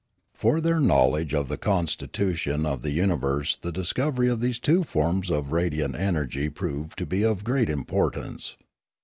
For their knowledge of the constitution of the uni verse the discovery of these two forms of radiant energy proved to be of great importance.